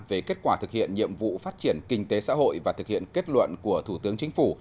về kết quả thực hiện nhiệm vụ phát triển kinh tế xã hội và thực hiện kết luận của thủ tướng chính phủ